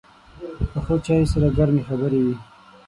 پخو چایو سره ګرمې خبرې وي